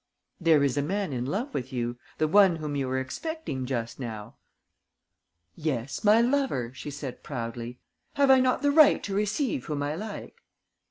"There is a man in love with you: the one whom you were expecting just now." "Yes, my lover," she said, proudly. "Have I not the right to receive whom I like?"